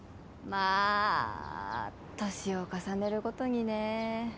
まあ年を重ねるごとにね